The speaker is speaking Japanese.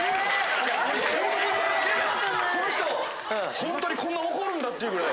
この人ホントにこんな怒るんだっていうぐらい。